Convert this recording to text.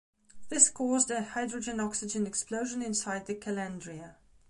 This caused a hydrogen-oxygen explosion inside the calandria.